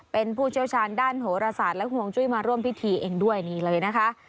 เป็นผู้เชี่ยวชาญด้านโหรศาสตร์และห่วงจุ้ยมาร่วมพิธีเองด้วยนี่เลยนะคะ